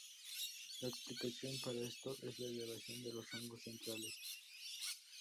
La explicación para esto es la elevación de los rangos centrales.